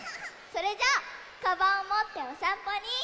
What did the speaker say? それじゃあカバンをもっておさんぽに。